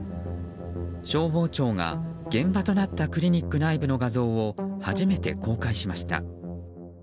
消防庁が現場となったクリニック内部の画像を初めて公開しました。